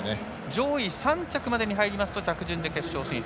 上位３着までに入りますと着順で決勝進出。